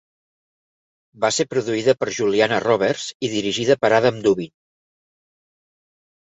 Va ser produïda per Juliana Roberts i dirigida per Adam Dubin.